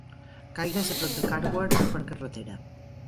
Kaiga és a prop de Karwar per carretera.